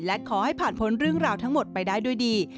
และขอให้ผ่านพ้นเรื่องราวทั้งหมดไปได้ด้วยดี